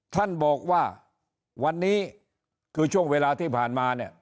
ท่านบอกว่าวันนี้คือช่วงเวลาที่ผ่านมาเนี่ย